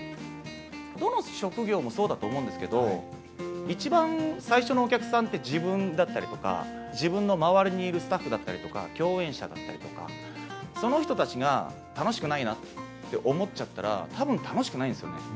どの職業もそうだと思うんですけれども、一番最初のお客さんって、自分だったりとか、自分の周りにいるスタッフだったりとか、共演者だったりとか、その人たちが楽しくないなって思っちゃったら、たぶん楽しくないんですよね。